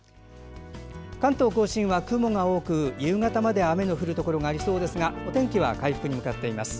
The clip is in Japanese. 関東・甲信は雲が多く、夕方まで雨の降るところがありそうですがお天気は回復に向かっています。